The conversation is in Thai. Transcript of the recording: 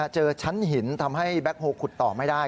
เจอชั้นหินทำให้แบ็คโฮลขุดต่อไม่ได้